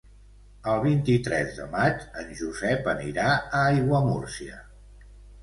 El vint-i-tres de maig en Josep anirà a Aiguamúrcia.